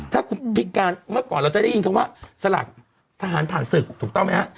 ถ้าคุณพิการเมื่อก่อนเราจะได้ยินคำว่าสลักทหารผ่านศึกถูกต้องไหมฮะ